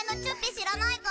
知らないか？